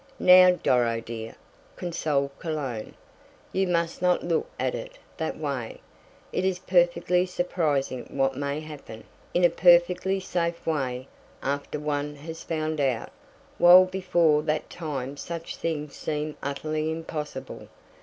"Now, Doro, dear," consoled Cologne, "you must not look at it that way. It is perfectly surprising what may happen, in a perfectly safe way, after one has found out, while before that time such things seem utterly impossible.